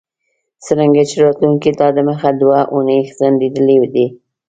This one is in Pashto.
څرنګه چې راتلونکی لا دمخه دوه اونۍ ځنډیدلی دی